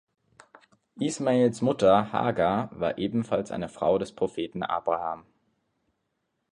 Ismails Mutter, Hagar, war ebenfalls eine Frau des Propheten Abraham.